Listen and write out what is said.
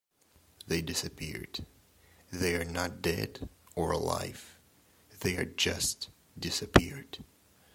"They disappeared, they are not dead or alive, they are just disappeared".